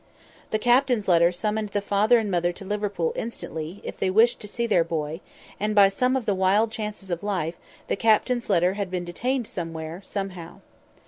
The captain's letter summoned the father and mother to Liverpool instantly, if they wished to see their boy; and, by some of the wild chances of life, the captain's letter had been detained somewhere, somehow.